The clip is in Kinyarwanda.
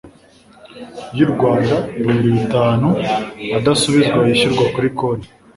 y'u Rwanda ibihumbi bitanu adasubizwa yishyurwa kuri konti